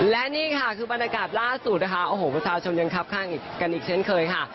และนี่ค่ะคือบรรยากาศล่าสุดนะคะโอ้โหประชาชนยังครับข้างกันอีกเช่นเคยค่ะ